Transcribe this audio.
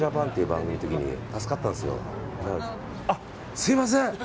すみません。